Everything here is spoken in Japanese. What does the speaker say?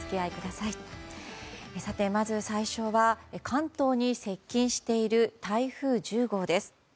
さて、まず最初は関東に接近している台風１０号です。